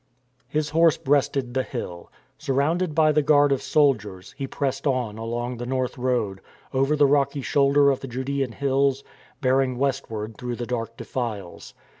His horse breasted the hill. Surrounded by the guard of soldiers, he pressed on along the north road, over the rocky shoulder of the Judsean hills, bearing westward through the dark defiles.